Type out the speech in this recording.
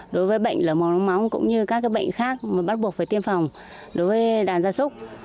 đối với bệnh lở mồm long móng cũng như các bệnh khác mà bắt buộc phải tiêm phòng đối với đàn gia súc